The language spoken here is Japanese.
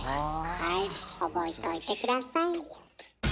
はい覚えといて下さい。